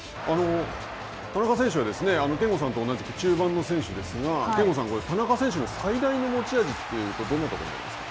田中選手は、憲剛さんと同じく中盤の選手ですが、憲剛さん田中選手の最大の持ち味というとどんなところになるんですか。